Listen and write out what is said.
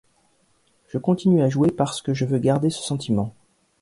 Je continue à jouer parce que je veux garder ce sentiment.